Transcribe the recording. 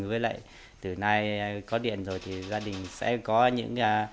với lại từ nay có điện rồi thì gia đình sẽ có những